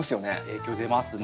影響出ますね。